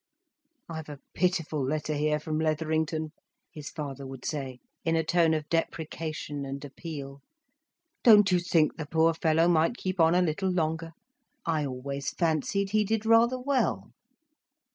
"I've a pitiful letter here from Letherington," his father would say, in a tone of deprecation and appeal. "Don't you think the poor fellow might keep on a little longer. I always fancied he did very well."